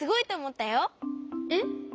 えっ？